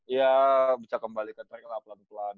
iya bisa kembali ke track lah pelan pelan